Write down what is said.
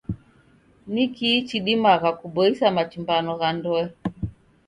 Ni kii chidimagha kuboisa machumbano gha ndoe?